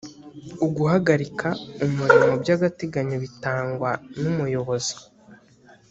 uguharika umurimo by’agateganyo bitangwa n’umuyobozi